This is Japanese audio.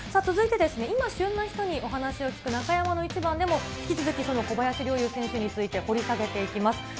続いて、今旬な人にお話を聞く中山のイチバンでも、引き続きその小林陵侑選手について掘り下げていきます。